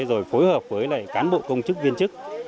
rồi phối hợp với lại cán bộ công chức viên chức